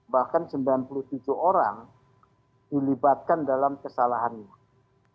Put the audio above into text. bahkan sembilan puluh tujuh orang dilibatkan dalam kesalahannya